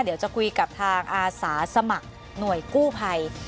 เดี๋ยวจะคุยกับทางอาสาสมัครหน่วยกู้ภัย